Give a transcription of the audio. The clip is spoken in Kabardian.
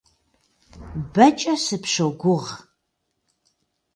Бэкӏэ сыпщогугъ.